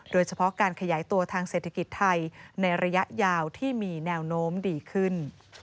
โดยเฉพาะการขยายตัวทางเศรษฐกิจไทยในระยะยาวที่มีแนวโน้มดีขึ้น